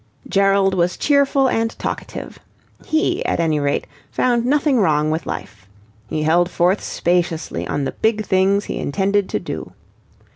Gerald was cheerful and talkative. He, at any rate, found nothing wrong with life. He held forth spaciously on the big things he intended to do.